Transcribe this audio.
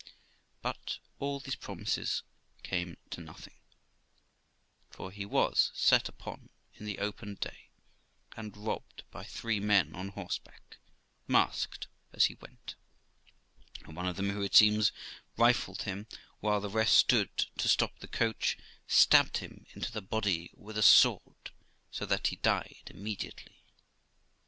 But all these promises came to nothing, for he was set upon in the open day, and robbed by three men on horseback, masked, as he went ; and one of them, who, it seems, rifled him while the rest stood to stop the coach, stabbed him into the body with a sword, so that he died immediately.